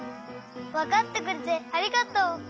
わかってくれてありがとう！